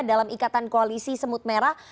dalam ikatan koalisi semut merah